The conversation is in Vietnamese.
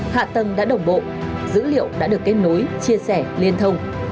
hạ tầng đã đồng bộ dữ liệu đã được kết nối chia sẻ liên thông